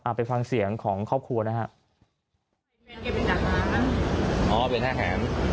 อะไปฟังเสียงของครอบครัวนะฮะ